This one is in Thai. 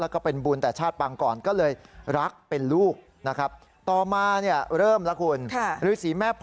แล้วก็เป็นบุญแต่ชาติปังก่อนก็เลยรักเป็นลูกนะครับ